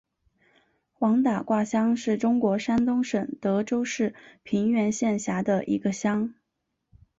王打卦乡是中国山东省德州市平原县下辖的一个乡。